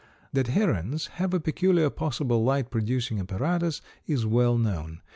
That herons have a peculiar possible light producing apparatus is well known.